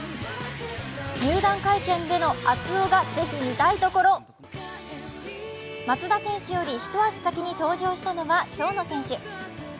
入団会見での熱男がぜひ見たいところ松田選手より一足先に登場したのが長野選手。